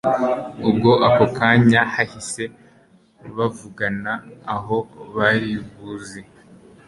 Ubwo ako kanya bahise bavugana aho baribuze